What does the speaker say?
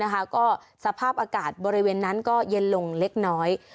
ก็สภาพอากาศบริเวณนั้นก็เย็นลงเล็กน้อย